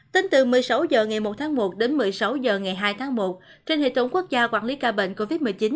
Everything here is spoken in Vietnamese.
tính từ một mươi sáu h ngày một tháng một đến một mươi sáu h ngày hai tháng một trên hệ thống quốc gia quản lý ca bệnh covid một mươi chín